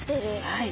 はい。